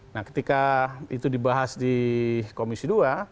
nah ketika itu dibahas di komisi dua